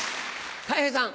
たい平さん。